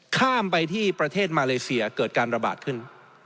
ข้ามไปที่ประเทศมาเลเซียเกิดการระบาดขึ้น